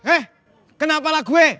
eh kenapa lagu eh